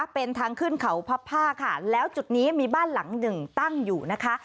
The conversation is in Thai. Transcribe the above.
เป็นทางขึ้นเขาพับผ้าค่ะแล้วจุดนี้มีบ้านหลังหนึ่งตั้งอยู่นะคะ